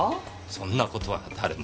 そんなことは誰も。